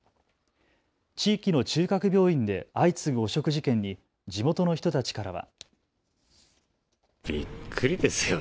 地域の中核病院で相次ぐ汚職事件に地元の人たちからは。